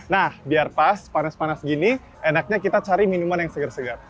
nah biar pas panas panas gini enaknya kita cari minuman yang segar segar